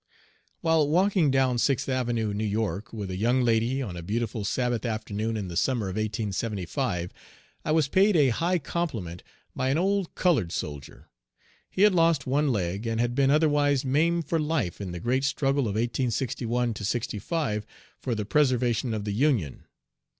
While walking down Sixth Avenue, New York, with a young lady, on a beautiful Sabbath afternoon in the summer of 1875, I was paid a high compliment by an old colored soldier. He had lost one leg and had been otherwise maimed for life in the great struggle of 1861 65 for the preservation of the Union.